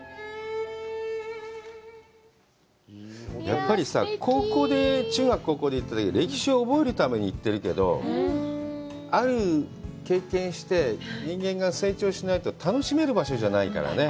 やっぱりさ、中学、高校で行ったのは歴史を覚えるために行ってるけど、ある経験して、人間が成長しないと、楽しめる場所じゃないからね。